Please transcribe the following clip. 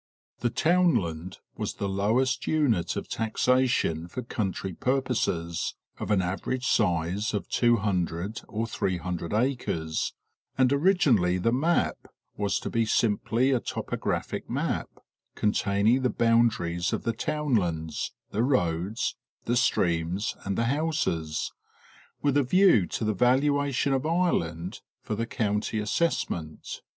250 National Geographic Magazine. The townland was the lowest unit of taxation for country pur poses, of an average size of 200 or 300 acres, and originally the map was to be simply a topographic map, containing the bound aries of the townlands, the roads, the streams and the houses, with a view to the valuation of Ireland for the county assessment.